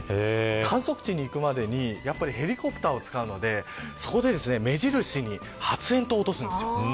観測地に行くまでにヘリコプターを使うので、そこで目印に発煙筒を落とすんですよ。